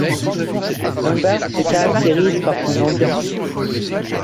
Un bar se caractérise par son ambiance.